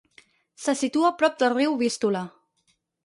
Se situa prop del riu Vístula.